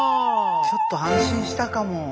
ちょっと安心したかも。